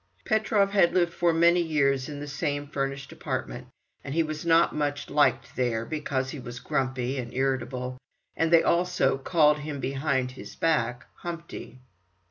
Petrov had lived for many years in the same furnished apartments, and he was not much liked there, because he was grumpy and irritable; and they also called him behind his back "Humpty."